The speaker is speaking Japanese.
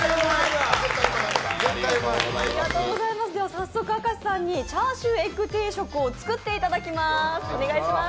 早速、明石さんにチャーシューエッグ定食を作っていただきます、お願いします。